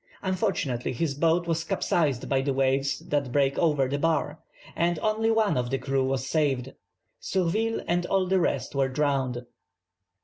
Unfortunately his boat was capsized by the waves that break over the bar, and only one of the crew was saved. Surville and all the rest were drowned.